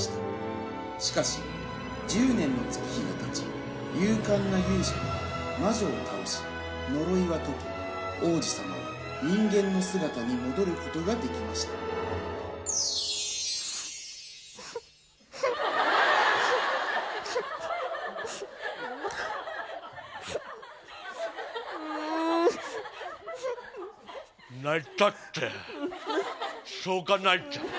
しかし１０年の月日がたち勇敢な勇者が魔女を倒し呪いは解け王子様は人間の姿に戻ることができました泣いたってしょうがないじゃん。